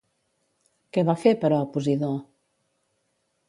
Què va fer, però, Posidó?